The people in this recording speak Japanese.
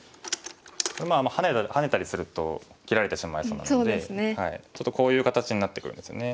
まあハネたりすると切られてしまいそうなのでちょっとこういう形になってくるんですね。